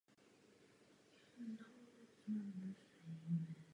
Jeho břehy jsou tvořeny lesem.